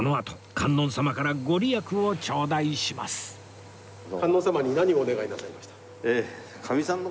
観音様に何をお願いなさいました？